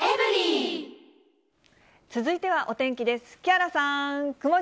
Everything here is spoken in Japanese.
続いてはお天気です。